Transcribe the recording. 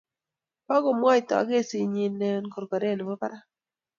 Pukomwotoi kesit nyi eng korkoret nebo parak